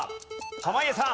濱家さん